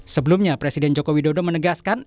sebelumnya presiden joko widodo menegaskan